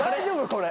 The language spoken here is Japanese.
これ。